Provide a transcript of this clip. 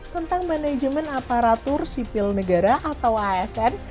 tentang manajemen aparatur sipil negara atau asn